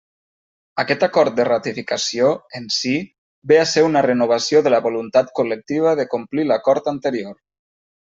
Aquest acord de ratificació, en si, ve a ser una renovació de la voluntat col·lectiva de complir l'acord anterior.